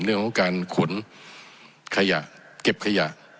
เรื่องของการขนขยะเก็บขยะ